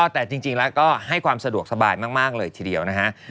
แต่จริงแล้วก็ให้ความสะดวกสบายมากเลยทีเดียวนะฮะ